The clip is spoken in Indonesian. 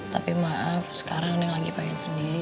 tapi maaf sekarang yang lagi pengen sendiri